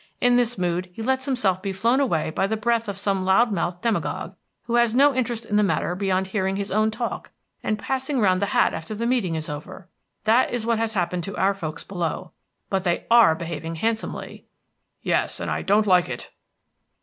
In this mood he lets himself be flown away by the breath of some loud mouthed demagogue, who has no interest in the matter beyond hearing his own talk and passing round the hat after the meeting is over. That is what has happened to our folks below. But they are behaving handsomely." "Yes, and I don't like it."